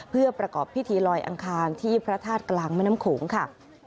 เพื่อประกอบพิธีลอยอังคารที่พระธาตุกลางแม่น้ำโขงค่ะ